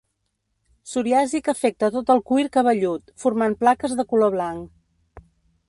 Psoriasi que afecta tot el cuir cabellut, formant plaques de color blanc.